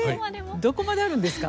どこまであるんですか。